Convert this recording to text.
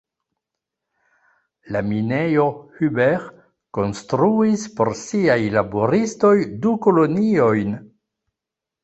La minejo Hubert konstruis por siaj laboristoj du koloniojn.